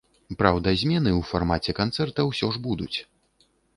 Праўда, змены ў фармаце канцэрта ўсё ж будуць.